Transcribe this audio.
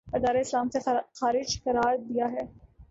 اور دائرۂ اسلام سے خارج قرار دیا ہے